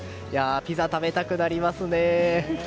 ピザ、食べたくなりますね。